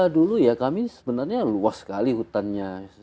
dulu ya kami sebenarnya luas sekali hutannya